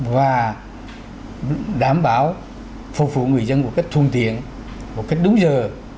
và đảm bảo phục vụ người dân một cách thuận tiện một cách đúng giờ